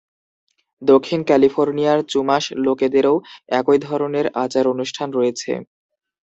দক্ষিণ ক্যালিফোর্নিয়ার চুমাশ লোকেদেরও একই ধরনের আচার-অনুষ্ঠান রয়েছে।